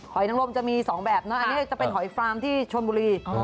อยนังลมจะมี๒แบบนะอันนี้จะเป็นหอยฟาร์มที่ชนบุรี